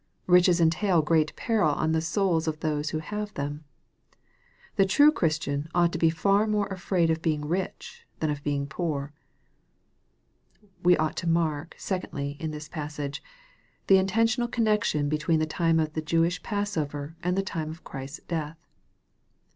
Riches entail great peril on the souls of those who have them. The true Christian ought to be far more afraid of being rich than of being poor. We ought to mark, secondly, in this passage, the in tentional connection between the time of the Jewish passover and the time of Christ s death.